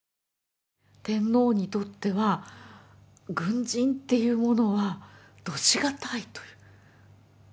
天皇にとっては軍人っていうものは度し難いという。